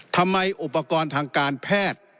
ทำไมอุปกรณ์ทางการแพทย์